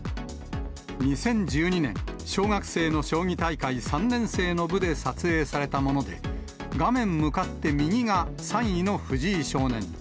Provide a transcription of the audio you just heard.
２０１２年、小学生の将棋大会３年生の部で撮影されたもので、画面向かって右が３位の藤井少年。